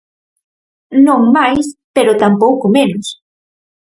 Non máis, pero tampouco menos.